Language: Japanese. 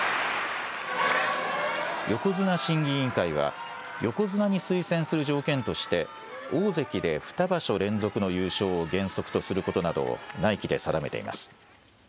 横綱審議委員会は、横綱に推薦する条件として、大関で２場所連続の優勝を原則とすることなどを内規で定めています。